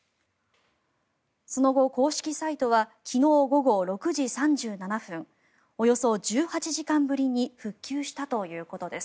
その後、公式サイトは昨日午後６時３７分およそ１８時間ぶりに復旧したということです。